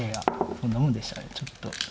こんなもんでしたかねちょっと。